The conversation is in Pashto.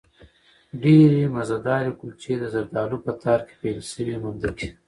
ډېرې مزهدارې کلچې، د زردالو په تار کې پېل شوې مندکې